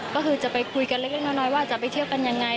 ก็คือจะไปคุยกันเล็กน้อยว่าจะไปเที่ยวกันยังไง